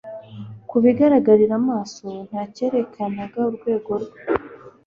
Ku bigaragarira amaso nta cyerekanaga urwego rwe.